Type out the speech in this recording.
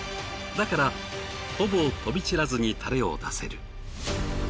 だからほぼ飛び散らずにタレを出せる。